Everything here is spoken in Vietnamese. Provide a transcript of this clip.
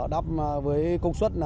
đáp với công suất